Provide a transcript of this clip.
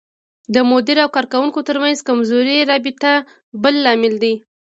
د مدیر او کارکوونکو ترمنځ کمزوری ارتباط بل لامل دی.